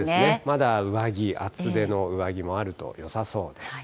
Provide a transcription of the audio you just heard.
まだ上着、厚手の上着もあるとよさそうです。